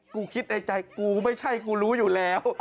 คิดในใจกูไม่ใช่กูรู้อยู่แล้ว